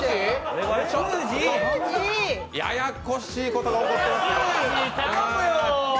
ややこしいことが起こってます！